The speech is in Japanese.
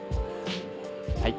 はい。